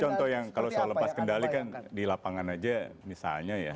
contoh yang kalau soal lepas kendali kan di lapangan aja misalnya ya